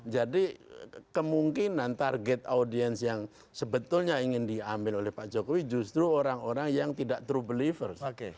jadi kemungkinan target audiens yang sebetulnya ingin diambil oleh pak jokowi justru orang orang yang tidak true believer